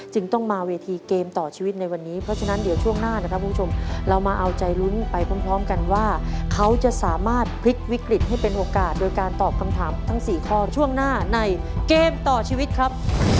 ต้องมาเวทีเกมต่อชีวิตในวันนี้เพราะฉะนั้นเดี๋ยวช่วงหน้านะครับคุณผู้ชมเรามาเอาใจลุ้นไปพร้อมกันว่าเขาจะสามารถพลิกวิกฤตให้เป็นโอกาสโดยการตอบคำถามทั้ง๔ข้อช่วงหน้าในเกมต่อชีวิตครับ